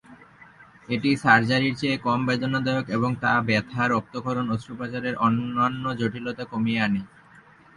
এটি সার্জারির চেয়ে কম বেদনাদায়ক এবং তা ব্যাথা, রক্তক্ষরণ এবং অস্ত্রোপচারের অন্যান্য জটিলতা কমিয়ে আনে।